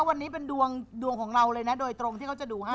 วันนี้เป็นดวงของเราเลยนะโดยตรงที่เขาจะดูให้